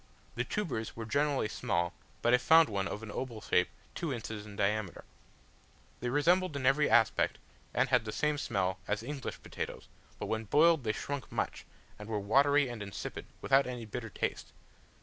The tubers were generally small, but I found one, of an oval shape, two inches in diameter: they resembled in every respect, and had the same smell as English potatoes; but when boiled they shrunk much, and were watery and insipid, without any bitter taste.